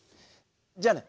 じゃあね。